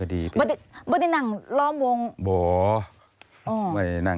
พ่อที่รู้ข่าวอยู่บ้าง